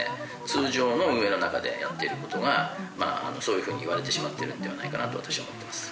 通常の運営の中でやっている事がそういう風に言われてしまっているんではないかなと私は思ってます。